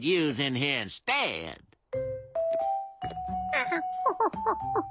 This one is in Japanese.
アハホホホホ。